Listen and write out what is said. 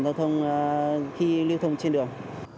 lực lượng cảnh sát giao thông khi lưu thông trên đường